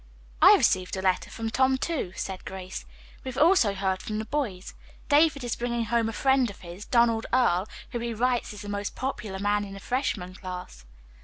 "I received a letter from Tom, too," said Grace. "We have also heard from the boys. David is bringing home a friend of his, Donald Earle, who, he writes, is the most popular man in the freshman class."